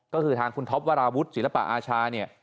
ก็คือทางคุณท็อปวราวุฒิศิลปะอาชาเนี่ย